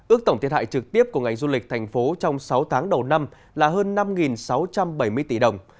ước tổng thiệt hại trực tiếp của ngành du lịch thành phố trong sáu tháng đầu năm là hơn năm sáu trăm bảy mươi tỷ đồng